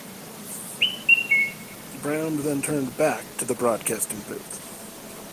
Brown then turned back to the broadcasting booth.